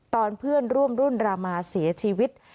ตอนเพื่อนร่วมรุ่นรามาเสียชีวิต